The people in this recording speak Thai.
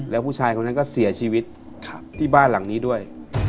แล้วผู้ชายคนนั้นก็เสียชีวิตที่บ้านหลังนี้ด้วย